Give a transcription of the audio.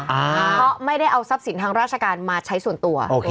เพราะไม่ได้เอาทรัพย์สินทางราชการมาใช้ส่วนตัว